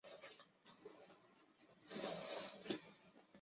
河东路街道是中国黑龙江省鹤岗市兴安区下辖的一个街道。